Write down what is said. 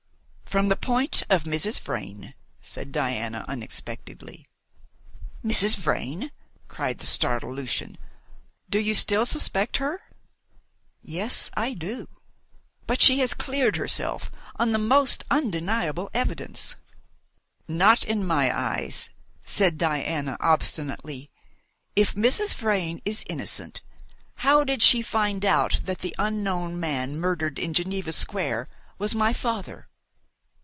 "From the point of Mrs. Vrain," said Diana unexpectedly. "Mrs. Vrain!" cried the startled Lucian. "Do you still suspect her?" "Yes, I do!" "But she has cleared herself on the most undeniable evidence." "Not in my eyes," said Diana obstinately. "If Mrs. Vrain is innocent, how did she find out that the unknown man murdered in Geneva Square was my father?"